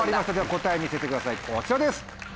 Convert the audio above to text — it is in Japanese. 答え見せてくださいこちらです。